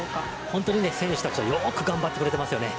本当に選手たちはよく頑張ってくれてますよね。